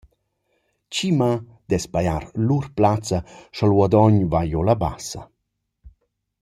Chi mâ dess pajar lur plazza scha’l guadagn va giò la Bassa?